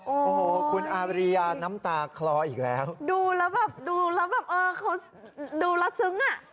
โอ้โหคุณอาริยาน้ำตาคลออีกแล้วดูแล้วแบบดูแล้วแบบเออเขาดูแล้วซึ้งอ่ะ